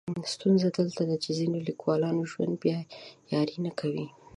ستونزه دلته ده چې د ځینو لیکولانو ژوند بیا یاري نه کوي.